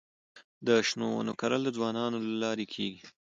د شنو ونو کرل د ځوانانو له لارې کيږي.